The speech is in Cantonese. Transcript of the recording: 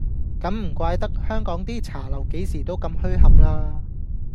噉唔怪得香港啲茶樓幾時都咁噓冚啦